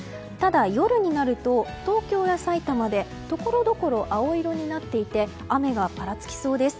ただ夜になると東京や埼玉でところどころ青色になっていて雨がぱらつきそうです。